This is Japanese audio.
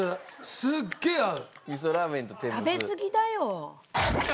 すげえ合う。